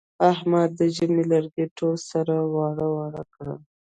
احمد د ژمي لرګي ټول سره واړه واړه کړل.